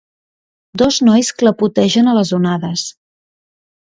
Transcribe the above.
Dos nois clapotegen a les onades.